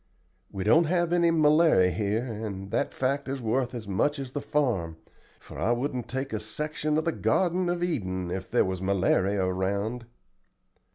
We don't have any malary here, and that fact is worth as much as the farm, for I wouldn't take a section of the garden of Eden if there was malary around."